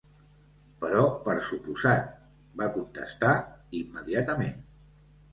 "Però per suposat," va contestar immediatament.